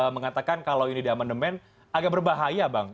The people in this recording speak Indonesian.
mengatakan kalau ini di amandemen agak berbahaya bang